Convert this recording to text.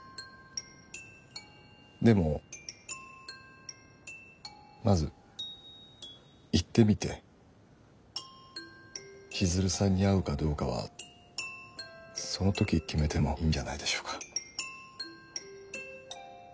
でもまず行ってみて千鶴さんに会うかどうかはその時決めてもいいんじゃないでしょうか？